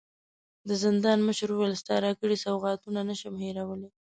د زندان مشر وويل: ستا راکړي سوغاتونه نه شم هېرولی.